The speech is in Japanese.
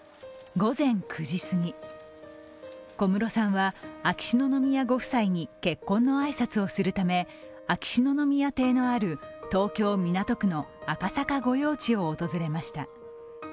午前９時すぎ、小室さんは秋篠宮ご夫妻に結婚の挨拶をするため秋篠宮邸のある東京・港区の赤坂御用地を訪れました。